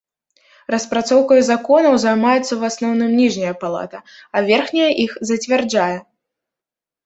Распрацоўкай законаў займаецца ў асноўным ніжняя палата, а верхняя іх зацвярджае.